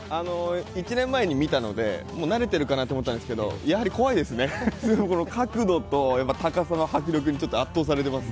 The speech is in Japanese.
１年前に見たので、慣れてるかなと思ったんですけどやはり怖いですね、角度と高さの迫力に圧倒されています。